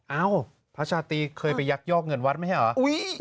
เอ้าพระชาตรีเคยไปยักยอกเงินวัดไม่ใช่เหรอ